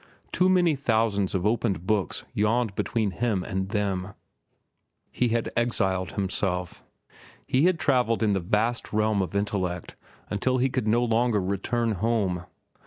Too many thousands of opened books yawned between them and him. He had exiled himself. He had travelled in the vast realm of intellect until he could no longer return home.